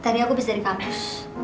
tadi aku bisa dari kampus